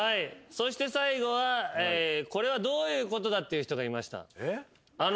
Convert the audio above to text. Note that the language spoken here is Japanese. そして最後はこれはどういうことだっていう人がいました。